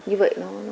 như vậy nó